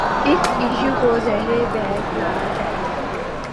اس issue کو زیربحث لانا چاہیے۔